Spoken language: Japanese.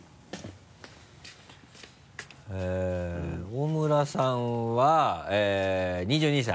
大村さんは２２歳。